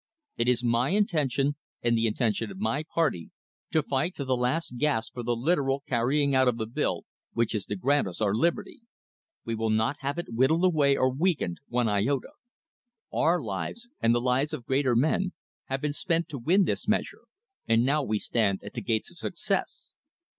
It is my intention, and the intention of my Party, to fight to the last gasp for the literal carrying out of the bill which is to grant us our liberty. We will not have it whittled away or weakened one iota. Our lives, and the lives of greater men, have been spent to win this measure, and now we stand at the gates of success.